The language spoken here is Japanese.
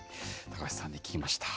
高橋さんに聞きました。